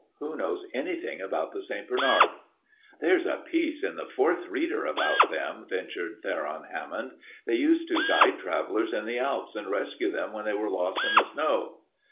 Who knows anything about the St. Bernard?" "There's a piece in the Fourth Reader about them," ventured Theron Hammond. "They used to guide travelers in the Alps and rescue them when they were lost in the snow."